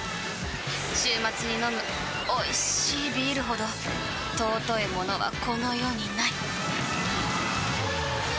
週末に飲むおいしいビールほど尊いものはこの世にない！